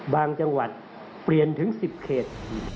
บางจังหวัดเปลี่ยนถึง๑๐เขต